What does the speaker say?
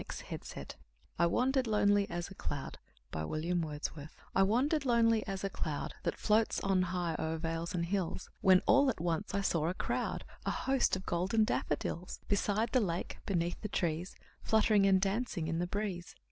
William Wordsworth I Wandered Lonely As a Cloud I WANDERED lonely as a cloud That floats on high o'er vales and hills, When all at once I saw a crowd, A host, of golden daffodils; Beside the lake, beneath the trees, Fluttering and dancing in the breeze.